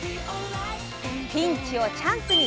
ピンチをチャンスに！